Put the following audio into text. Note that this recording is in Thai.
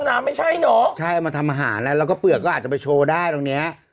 น้ำไม่ใช่เนอะใช่เอามาทำอาหารแล้วแล้วก็เปลือกก็อาจจะไปโชว์ได้ตรงเนี้ย